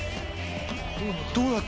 どうなった？